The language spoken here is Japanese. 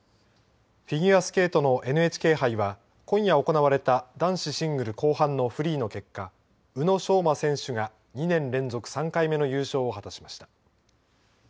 フィギュアスケートのＮＨＫ杯は今夜行われた男子シングル後半のフリーの結果宇野昌磨選手が２年連続３回目の優勝を果たしました。